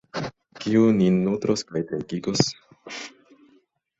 Kiu nin nutros kaj trinkigos?